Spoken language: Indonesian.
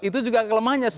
itu juga kelemahannya